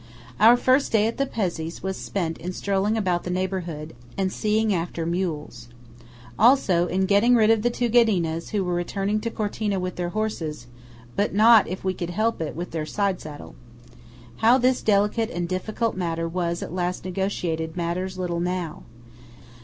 Our first day at the Pezzé's was spent in strolling about the neighbourhood, and seeing after mules. Also in getting rid of the two Ghedinas, who were returning to Cortina with their horses, but not, if we could help it, with their side saddle. How this delicate and difficult matter was at last negotiated matters little now.